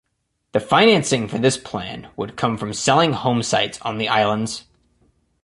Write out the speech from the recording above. The financing for this plan would come from selling home sites on the islands.